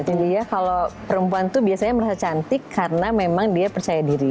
jadi ya kalau perempuan tuh biasanya merasa cantik karena memang dia percaya diri